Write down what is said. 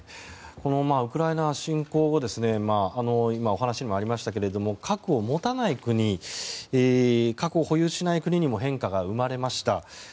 ウクライナ侵攻後今、お話にもありましたが核を持たない国核を保有しない国にも変化が生まれました。